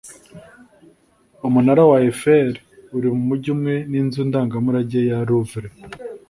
umunara wa eiffel uri mu mujyi umwe n'inzu ndangamurage ya louvre